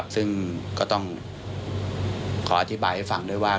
ซึ่งก็ต้องขออธิบายให้ฟังด้วยว่า